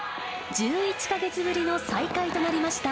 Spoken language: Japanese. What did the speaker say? １１か月ぶりの再開となりました。